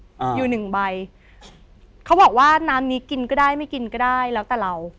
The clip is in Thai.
อ่าอยู่หนึ่งใบเขาบอกว่าน้ำนี้กินก็ได้ไม่กินก็ได้แล้วแต่เรา